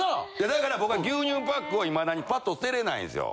だから僕は牛乳パックをいまだにパッと捨てれないんですよ。